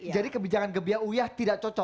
jadi kebijakan gebiah uyah tidak cocok